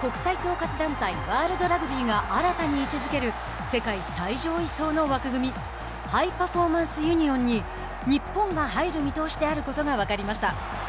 国際統括団体ワールドラグビーが新たに位置づける世界最上位層の枠組みハイパフォーマンスユニオンに日本が入る見通しであることが分かりました。